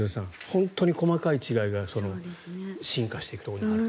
本当に細かい違いが進化していくところにあると。